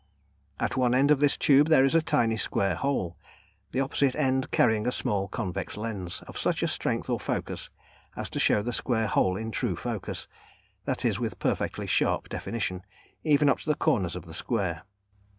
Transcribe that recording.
At one end of this tube there is a tiny square hole, the opposite end carrying a small convex lens, of such a strength or focus as to show the square hole in true focus, that is, with perfectly sharp definition, even up to the corners of the square.